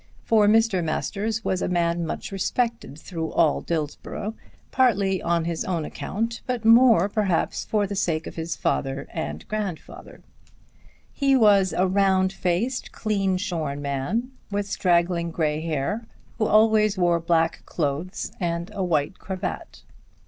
For Mr. Masters was a man much respected through all Dillsborough, partly on his own account, but more perhaps for the sake of his father and grandfather. He was a round faced, clean shorn man, with straggling grey hair, who always wore black clothes and a white cravat.